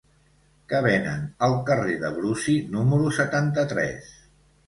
Què venen al carrer de Brusi número setanta-tres?